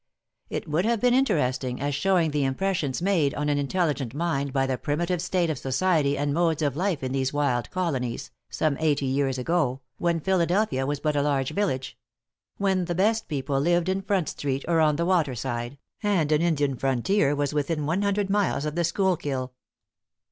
It would have been interesting, as showing the impressions made on an intelligent mind by the primitive state of society and modes of life in these wild Colonies, some eighty years ago, when Philadelphia was but a large village when the best people lived in Front street, or on the water side, and an Indian frontier was within an hundred miles of the Schuylkill.